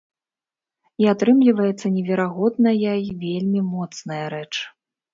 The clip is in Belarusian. І атрымліваецца неверагодная й вельмі моцная рэч.